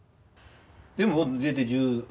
でも出て１０？